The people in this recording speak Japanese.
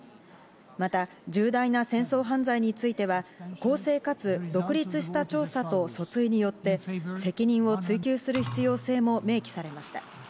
また、重大な戦争犯罪については公正かつ独立した調査と訴追によって、責任を追及する必要性も明記されました。